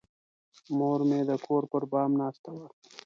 مور مې د کور پر بام ناسته وه.